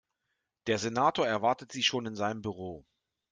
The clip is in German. Der Senator erwartet Sie schon in seinem Büro.